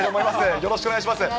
よろしくお願いします。